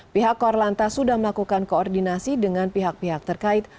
pihak korlantas sudah melakukan koordinasi dengan pihak pihak terkait